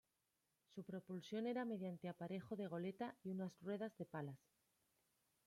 Su propulsión era mediante aparejo de goleta y unas ruedas de palas.